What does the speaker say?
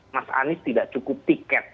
mas anies tidak cukup tiket